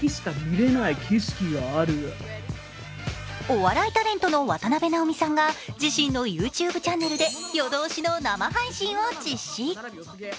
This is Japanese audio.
お笑いタレントの渡辺直美さんが自身のＹｏｕＴｕｂｅチャンネルで夜通しの生配信を実施。